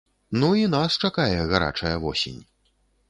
Ну і нас чакае гарачая восень.